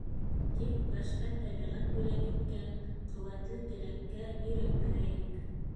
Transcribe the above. Тик башта тәбиғәт бүләк иткән ҡеүәтле теләккә ирек бирәйек.